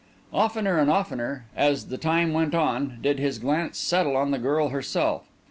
Oftener and oftener, as the time went on, did his glance settle on the girl herself.